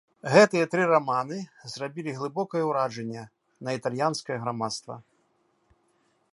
Гэтыя тры раманы зрабілі глыбокае ўражанне на італьянскае грамадства.